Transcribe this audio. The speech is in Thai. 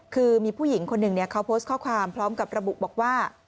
คือมีผู้หญิงคนหนึ่งเขาโพสต์ข้อความพร้อมกับระบุบอกว่า